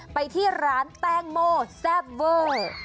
ไปที่ร้านแป้งโม่แซ่บเวอร์